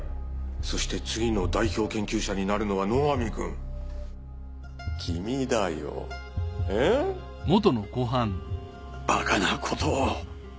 そして次の代表研究者になるのは野上くん君だよばかなことを。